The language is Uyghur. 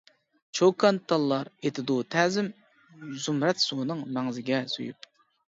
چوكانتاللار ئېتىدۇ تەزىم، زۇمرەت سۇنىڭ مەڭزىگە سۆيۈپ.